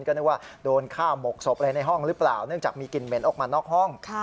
ก็นึกว่าโดนฆ่าหมกศพอะไรในห้องหรือเปล่าเนื่องจากมีกลิ่นเหม็นออกมานอกห้อง